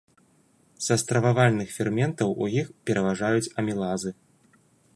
Са стрававальных ферментаў у іх пераважаюць амілазы.